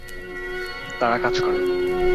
তারা কাজ করে।